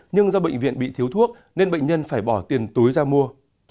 nhưng do bệnh viện bị thiếu thuốc nên bệnh nhân phải bỏ tiền túi ra mua